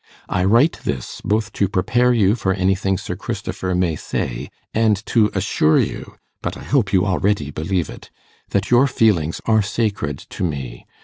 I write this, both to prepare you for anything Sir Christopher may say, and to assure you but I hope you already believe it that your feelings are sacred to me.